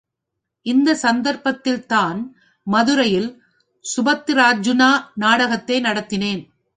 இந்த சந்தர்ப்பத்தில்தான் மதுரையில் சுபத்திரார்ஜுனா நாடகத்தை நடத்தினேன்.